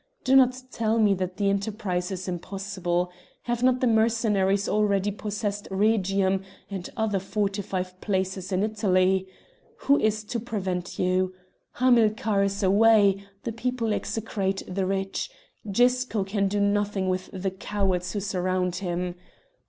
Do not tell me that the enterprise is impossible. Have not the Mercenaries already possessed Rhegium and other fortified places in Italy? Who is to prevent you? Hamilcar is away; the people execrate the rich; Gisco can do nothing with the cowards who surround him.